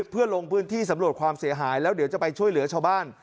เพื่อลงพื้นที่สำรวจความเสียหายแล้วเดี๋ยวจะไปช่วยเหลือชาวบ้าน